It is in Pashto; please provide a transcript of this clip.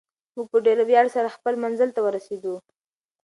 موږ په ډېر ویاړ سره خپل منزل ته ورسېدو.